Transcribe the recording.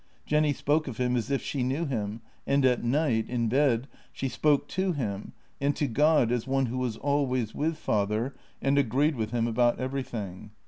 Jenny spoke of him as if she knew him, and at night, in bed, she spoke to him, and to God as one who was always with father and agreed with him about everything.